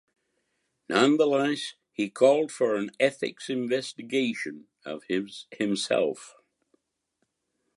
Nonetheless, he called for an ethics investigation of himself.